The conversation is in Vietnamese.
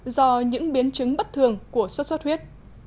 do những biến chứng bất thường của sốt xuất huyết